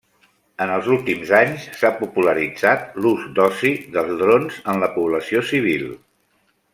En els últims anys s’ha popularitzat l’ús d’oci dels drons en la població civil.